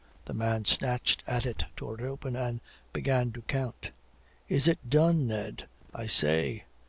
The man snatched at it, tore it open, and began to count. "Is it done, Ned, I say?"